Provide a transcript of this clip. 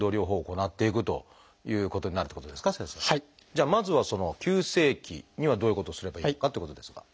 じゃあまずはその急性期にはどういうことをすればいいのかっていうことですが。